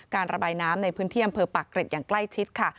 ระบายน้ำในพื้นที่อำเภอปากเกร็ดอย่างใกล้ชิดค่ะ